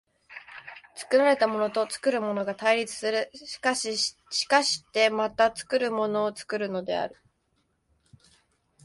作られたものと作るものとが対立する、しかしてまた作るものを作るのである。